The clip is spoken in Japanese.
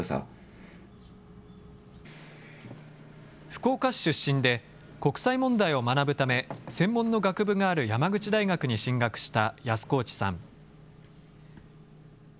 福岡市出身で、国際問題を学ぶため、専門の学部がある山口大学に進学した安河内さん。